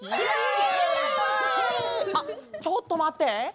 あっちょっとまって。